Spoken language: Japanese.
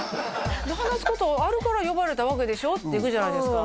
話すことあるから呼ばれたわけでしょって行くじゃないですか